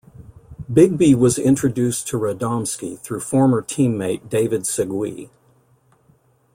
Bigbie was introduced to Radomski through former teammate David Segui.